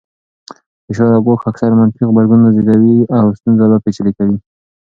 فشار او ګواښ اکثراً منفي غبرګون زېږوي او ستونزه لا پېچلې کوي.